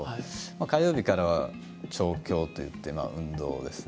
火曜日からは調教といって運動ですね。